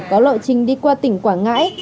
có lộ trình đi qua tỉnh quảng ngãi